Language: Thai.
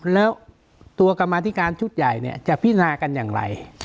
แล้วตัวกรรมาธิการชุดใหญ่เนี่ยจะพิจารณากันอย่างไร